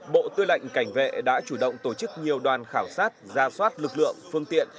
bộ tư lệnh cảnh vệ đã chủ động tổ chức nhiều đoàn khảo sát ra soát lực lượng phương tiện